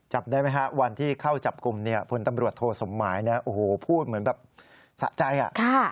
จับได้ไหมคะวันที่เข้าจับกลุ่มนี่คุณตำรวจโทษหมายพูดเหมือนสะใจ